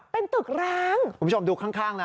เป็นตึกร้าง